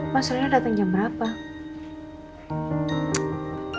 mas rena datang jam berapa